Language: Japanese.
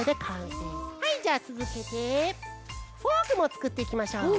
はいじゃあつづけてフォークもつくっていきましょう。